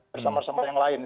bersama sama yang lain